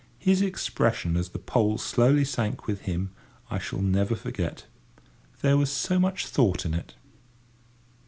His expression as the pole slowly sank with him I shall never forget; there was so much thought in it.